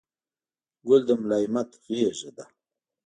ګل د ملایمت غېږه ده.